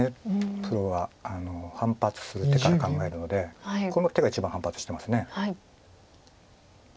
プロは反発する手から考えるのでこの手が一番反発してます。